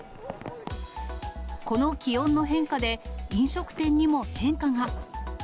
この気温の変化で、飲食店にも変化が。